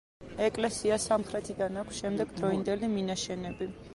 ეკლესიას სამხრეთიდან აქვს შემდეგდროინდელი მინაშენები.